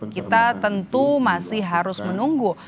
kita tentu masih harus menunggu